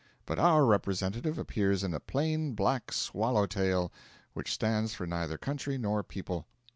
But our representative appears in a plain black swallow tail, which stands for neither country, nor people.